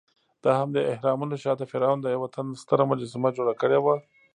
دهمدې اهرامونو شاته فرعون د یوه تن ستره مجسمه جوړه کړې وه.